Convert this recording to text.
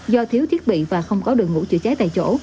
do thiếu thiết bị và không có đường ngủ chữa cháy tại chỗ